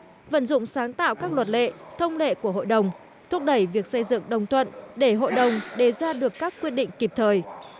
việt nam vẫn dùng sáng tạo các luật lệ thông lệ của hội đồng thúc đẩy việc xây dựng đồng tuận để hội đồng đề ra được các quyết định kịp thời